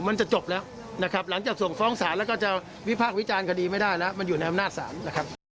มันจะวิพากษ์วิจารณ์คดีไม่ได้แล้วมันอยู่ในอำนาจศาล